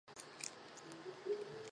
庞祖勒。